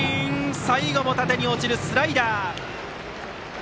最後も縦に落ちるスライダー！